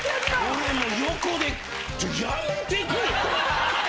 俺もう横で「やめてくれ！」と。